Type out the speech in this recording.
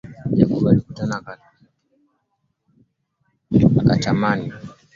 Jacob alijikuta akitamani kuongea na yule aliyeko kwenye nguzo ya umeme